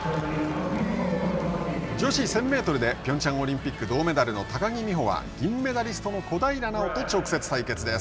女子１０００メートルでピョンチャンオリンピック銅メダルの高木美帆は銀メダリストの小平奈緒と直接対決です。